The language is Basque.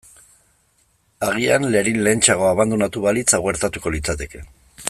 Agian Lerin lehentxeago abandonatu balitz hau gertatuko litzateke.